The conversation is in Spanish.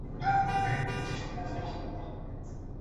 Esto es incluso más de lo que requerían las misiones Apolo.